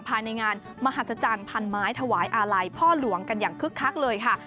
ภายในงานมหัศจรรย์พันไม้ถวายอาลัยพ่อหลวงกันอย่างคึกคักเลยค่ะ